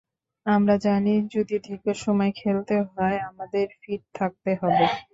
আমরা জানি, যদি দীর্ঘ সময় খেলতে হয়, আমাদের ফিট থাকতে হবে।